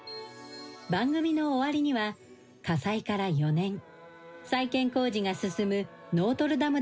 番組の終わりには火災から４年再建工事が進むノートルダム